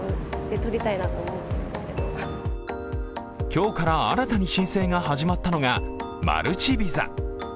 今日から新たに申請が始まったのがマルチビザ。